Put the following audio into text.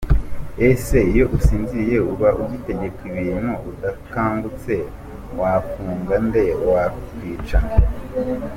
Ese iyo usinziriye uba ugitegeka ibintu, udakangutse wa wafunga nde, wakwica nde?